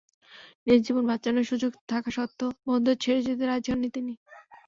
নিজের জীবন বাঁচানোর সুযোগ থাকা সত্ত্বেও বন্ধুদের ছেড়ে যেতে রাজি হননি তিনি।